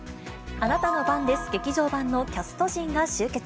あなたの番です劇場版のキャスト陣が集結。